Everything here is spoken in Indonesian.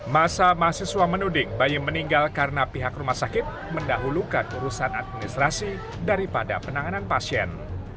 masa mahasiswa menuding bayi meninggal karena pihak rumah sakit mendahulukan urusan administrasi daripada penanganan pasien